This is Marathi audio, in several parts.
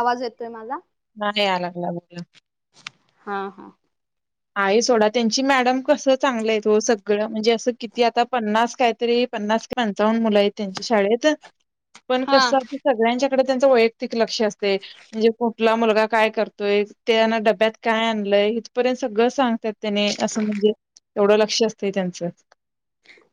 आवाज येतोय माझा नाही अलाग लाग हा हा आई सोडा त्यांची मॅडम कसं चांगलं आहे हो सगळं म्हणजे असं किती आता पन्नास कायतरी पन्नास पंचावन्न मुलं आहेत त्यांच्या शाळेत पण हा कसं सगळ्यांच्या वैयक्तिक लक्ष अस म्हणजे कुठला मुलगा काय करतोयना डब्यात काय आणलंयथर्यंत सगळं सांगतात त्याने असं म्हणजे तेवढं लक्ष असतं त्यांचं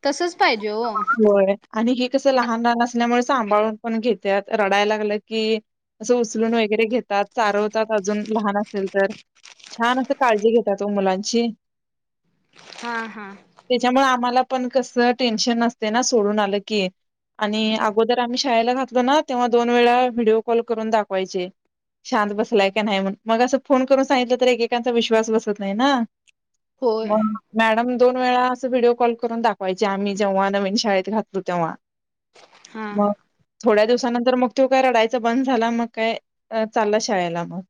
तसच पाहिजे हो होय आणि हि कसं लहान लहान असल्यामुळे सांभाळून पण घेतात रडायला लागलं की असं उचलून वगैरे घेतात चारवतात अजून लहान असेल तर छान असे काळजी घेतात तो मुलांची हा हा त्याच्यामुळे आम्हाला पण कस टेन्शन नसते ना सोडून आलं की आणि अगोदर आम्ही शाळेला घातलो ना तेव्हा दोन वेळा व्हिडिओ कॉल करून दाखवायचे शांत बसलाय का नाही मग फोन करून सांगितलं विश्वास बसत नाही ना होय म मॅडम दोन वेळा असं व्हिडिओ कॉल करून दाखवायचे आम्ही जेव्हा नवीन शाळेत घातलो तेव्हा हा मग थोड्या दिवसानंतर मग तो काय रडायच बंद झाला मग काय चाललं शाळेला मग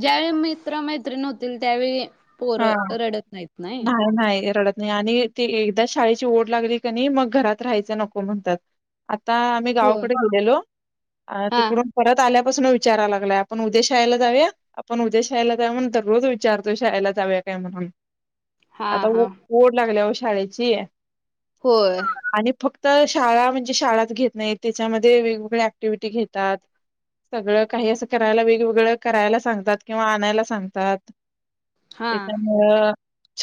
ज्यावेळी मित्र मैत्रिण होतील त्यावेळी हा पोरं रडत नाहीत नाही नाही एरडच आणि तेी एकदा शाळेची ओढ लागली क नाही मग घरात राहायचं नको म्हणतात आता आम्ही हो गावाकडे गेलेलो हा तिकडून परत आल्या विाराय लागला आपण उद्या शाळेला जाऊया आपण उद्या शाळेला जा म्हण रोज विचारतो शाळेला जावे काय म्हणून हा आता हा ओढ लागल्या अश शाळेची आहे होय तर शाळा म्हणजे शाळच घेत नाही त्याच्यामध्ये वेगवेगळ ऍक्टिव्हटी घेतात सगळं काही असं करायला वेगवेगळं करायला सांगतात किंवा आणायला सांगतात हा त्याच्यामुळं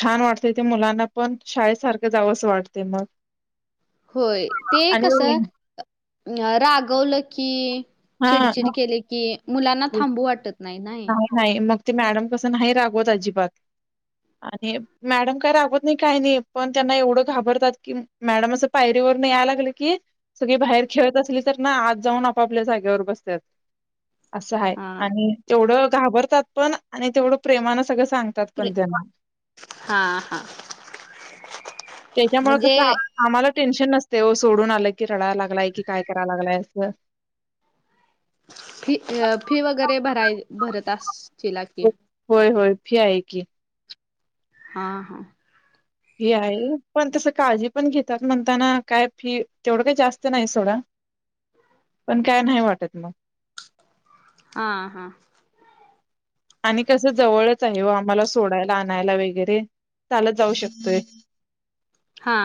छान वाटते ते मुलांना पण शाळेसारखं जावंच वाटते मग होय ते आणि कस रागवलं की हा चिडचिड केले की मुलांना थांबू वाटत नाही नाही हा हाय मग ते मॅडम कसं नाही रागवत अजिबात आणि मॅडम काय रागवत नाही काही नाही पण त्यांना एवढं घाबरतात कि मॅडम असं पायरीवरून यायला लागली की सगळी बाहेर खेळत असली तर ना आत जाऊन आपापल्या जागेवर बसतात असं आहे हा आणि व घाबरतात पण आणि तेवढ प्रमाण पण राहतात सांगतात प्रे पण तेना हा हा त्याच्यामुळे म्हणजे कस आम्हाला टेन्शन नसते ओ सोडून आला की रडायला लागलाय की काय कराय लागलाय ह फी वगैरे भरावी होय होय फी आहे की हा हा फी आहे पण तस काळजी पण घेतात म्हणताना काय फी तेवढं काही जास्त नाही सोडा पण काय नाही वाटत मग हा हा आणि कस जवळच आहे ओ आम्हाला सोडायला आणायला वगैरे चालत जाऊ शकतोय हा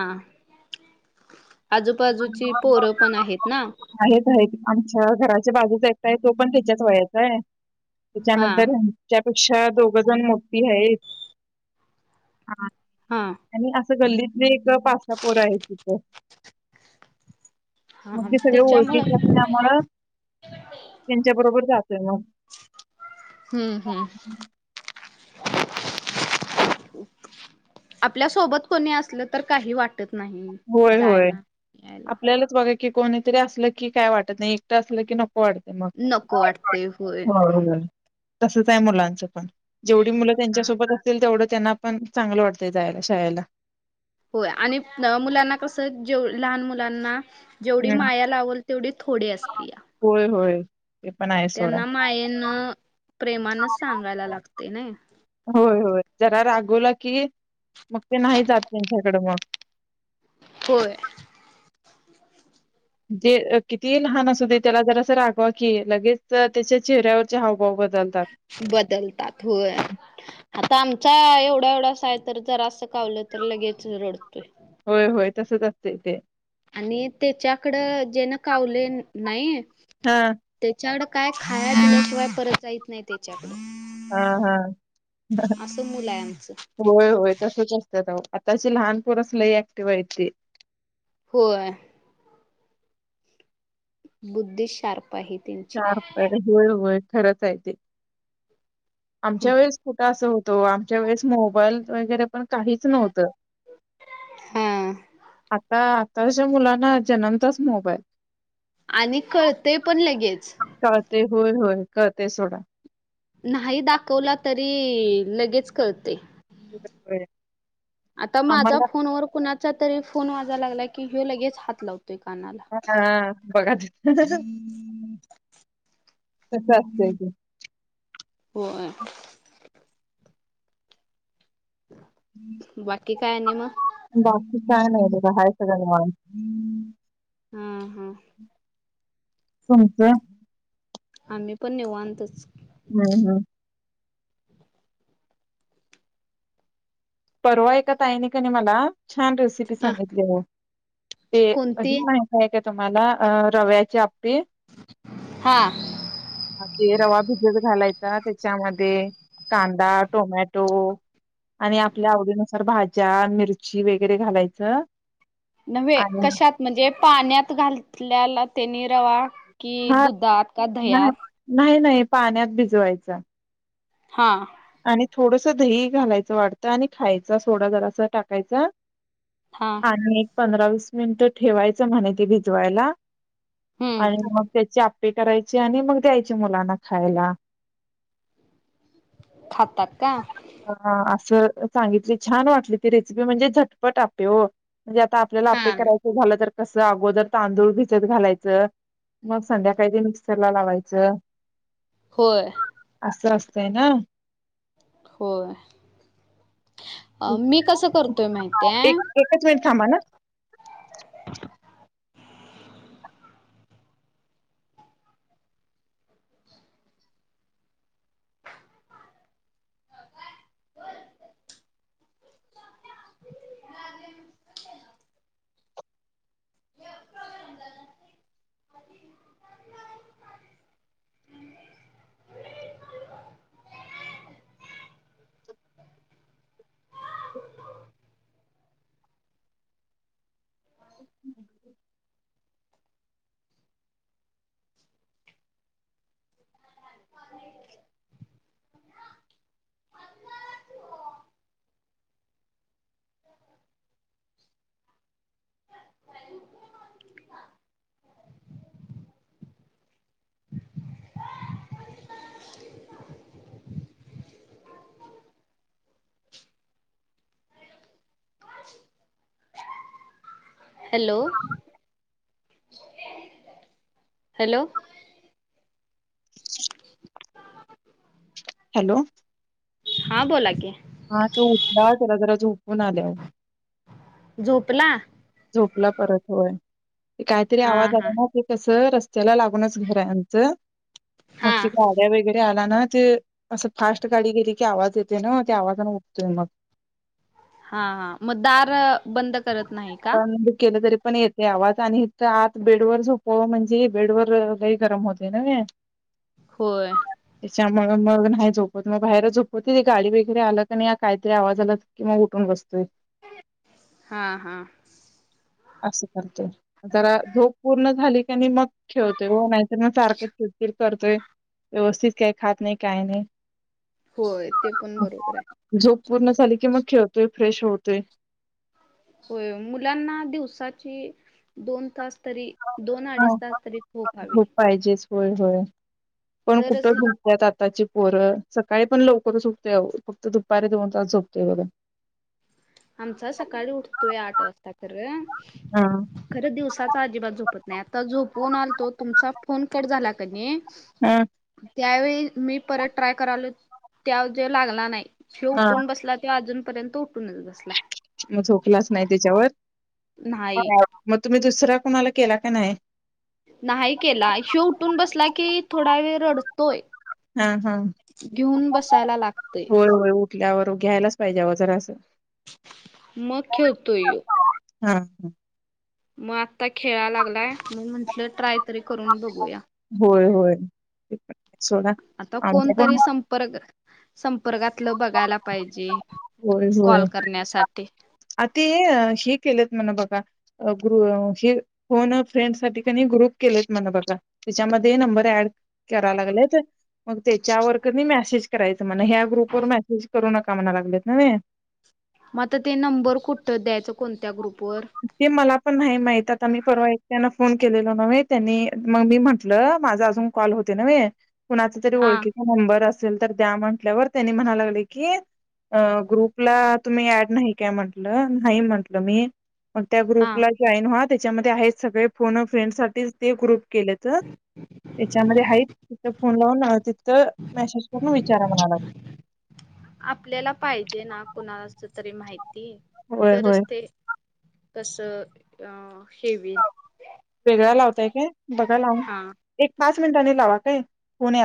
आजूबाजूची पोरं पण आहेत ना आहेत आहेत आमच्या घराच्या बाजूचा एक आहे तो पण त्याच्याच वयाचा आहे हा त्याच्यानंतर अशा दोघं जण मोठी आहेत हा आणि गल्लीतले एक पाच सहा पोर आहे तिथं मग हा ते सगळे त्याच्यामुळे ओळखीचे असल्यामुळे त्यांच्या बरोबर जात आहे ना हम्म हम्म आपल्या सोबत कोणी असलं तर काही वाटत वाटत नाही होय होय जायला - यायला. आपल्यालाच बघा की कोणीतरी असलं की काय वाटत नाही एकट असलं की नको. वाटते मग नको वाटते होय ह तसच आहे मुलांचं पण जेवढी मुलं हा त्यांच्यासोबत असतील तेवढंच त्यांना पण चांगलं वाटतय जायला शाळेला हो आणि मुलांना कसं जेवढी लहान मुलांना जेवढी हम्म, माया लावल तेवढी थोडे असते या होय होय ते पण आहे सोडा त्यांना मायेन प्रेमानच सांगायला लागते नाय होय होय जरा रागवला की मग ते नाही जात त्यांच्याकडे मग हो जे किती लहान असू दे त्याला जरास रागवा कि लगेच त्याच्या चेहऱ्यावरचे हावभाव ब बदलतात होय. आता आमचा एवढा एवढासा आहे तर जरासं कावलं तर लगेच रडतोय होय होय तसच असतय ते आणि त्याच्याकड जेन कावले नाही हा त्याच्याकड काय खायला शिवाय परत जाहीच नाही त्याच्या हा हा असं मुलं आहे आमचं. होय होय तसेच असतात. आताची लहानपरच लई ऍक्टिवयची होय बुद्धि शार्प आहे त्यांची चार पा होय होय खरंच आहे ते आमच्या वेळेस कुठं असं होत तो आमच्या वेळेस मोबाईल वगैरे पण काहीच नव्हत हा. आता तश मुलांना जन्मताच मोबाईल आणि कळतंय पण लगेच काय ते? होय होय कळतय सोडा. नाही दाखवला तरी लगेच कळतय होय. - आता माझ्या आम्हाला फोनवर कुणाच्या तरी फोन वााय लागला की हो लगेच हात लावतो हाा बघ तस तस असतंय ते हो आहे हम्म की काय नाही मग बाकी छय नाही खाय सन मा हा हा तुमचं आम्ही पण निवांतच हम्म हम्म परवा आहेऐ का त आहेनी का नाही मला छान रेसिपी अ सांगितली आहे ते अ कोणती प काय. तुम्हाला रव्याचे. हा वा. भिजत घालायचा त्याच्यामध्ये कांदा टोमॅटो आणि आपल्या आवडीनुसार भाज्या मिरची वगैरे घालायचं नव्हे आणि कशात म्हणजे पाण्यात घातल्याला तेनीीरावा हा नाही नाही नाही पाण्यात भिजवायचा हा आणि थोडस दही घालायचं वाटतं आणि खायचा सोडा जरा अस टाकायचा हा आणि एक पंधरा वस स मिनिटं ठेवायच म्हणे ते भिजवायला हम्म आणि मग त्याच्या ते करायचे आणि मग द्यायचे मुलांना खायला खात का हा असं सांगितली छान वाटली ती रेसिपी म्हणजे झटपट आपे हो म्हणजे आता आपल्याला हा आपपे करायचं झालं तर कसं अगोदर तांदूळ भिजत घालायचं मग संध्याकाळी ते मिक्सर ला लावायचं होय असं रस्तय ना होय अ मी कसं करतोय माहिती आहे एक एकच मिनिट थांबा ना बर. [inaudible] [inaudible] Hello hello. हॅलो. हा बोला की. हा तो जरा उठला, त्याला झोपवून आले. झोपला? झोपला परत होय. काहीतरी हा आवाज हा आला ना, ते कसं तर रस्त्याला लागूनच घरचं हाय आमचं. मग हा ती हा गाड्या वगैरे आल्या ज्यानं ते असं फास्ट गाडी गेली की, आवाज येतोय नव्ह. त्या आवाजाने उठतोय मग. हा हा, मग दार बंद करत नाही का बुक केलं तरी पण येतंय आवाज आणि हित आत बेडवर झोपावं, म्हणजे बेडवर लय गरम होतंय नव्हे. होय. ज्यामुळं मग नाही झोपत. म बाहेरच झोपवती गाडी वगैरे आलं का न्हाई कायतरी आवाज आला की मग उठून बसतोय. हां हां. असं करतोय, जरा झोप पूर्ण झाली का नाई मग ठेवतोय ओ, नाहीतर मग सारखं चिडचिड करतोय, व्यवस्थित काही खात नाय, काय नाय. होय ते पण बरोबर आहे झोप पूर्ण झाली, की मग खेळ तोही फ्रेश होतोय. मुलांना दिवसाची दोन तास तरी दोन आडीच तास तरी झोप हवी. होय होय. पण तरच कुठं झोपत्यात आ त्ताची पोरं सकाळी पण लवकरच उठतंय आवो, फक्त दुपारी दोन तास झोपतोय बघा. आमचा सकाळी उठतोय, आठ वाजता खर. हा. खरं दिवसाचा अजिबात झोपत नाही, आता झोपवून आलतो तुमचा फोन कट झाला क नी हा. त्यावेळी मी परत ट्राय करालोय, त्याव जो लागला नाय ह्यो उठून बसला, त्यो अजून पर्यंत उठून म झोपलाच नाही तेच्यावर? नाही ह मग तुम्ही दुस दुसरा कुणाला केला का नाही नाही केला ह्यो उठून बसला की थोडा वेळ रडतोय हां हां घेऊन बसायला लागतय होय होय उठल्यावर घ्यायलाच पाहिजे आलो जरासं मग खेळतोय हां ह म आत्ता खेळालागलाय मग म्हंटलं ट्राय तरी करून बगूया होय होय ते पण आहे सोडा आता आमचं पण कोणतरी संपर्क सं परगातलं बगायला पाहिजे होय कॉल होय करण्यासाठी आ ते हे केलत म्हण बघा ग्रु हे फोन अ फ्रेंड साठी कणी ग्रुप केलेत म्हण बघा तेच्यामधी नंबर अँड करायलागलेत मग तेच्यावर कणी मेसेज करायचं म्हण ह्या ग्रुपवर मेसेज करु नका म्हणालागलेत न्हवे मता ते नंबर कुठं द्यायचं कोणत्या ग्रुप ते मला पण नाही माहित आता मी परवा एक त्यांना फोन केलेलो नव्हे त्यांनी मग मी म्हटलं माझा अजून कॉल होते नव्हे कुणाचा तरी हा ओळखीचा नंबर अस असल तर द्या म्हटल्यावर त्यांनी म्हणा लागले की ग्रुपला तुम्ही ऍड नाही काय म्हटलं नाही म्हंटलं मी मग त्या हा ग्रुपला जॉईन होत त्याच्यामध्ये आहेत सगळे फोन फ्रेंड साठीच ते ग्रुप केलं तर त्याच्यामध्ये आहे त फोन लावून तिथं मेसेज करून विचारा म्हणाला आपल्याला पाहिजे ना कुणाला अस तरी माहिती होय तर होय असते कस अ हे होईल वेगळा लावताय काय बघा लावून हा एक पाच मिनिटांनी लावा काय होन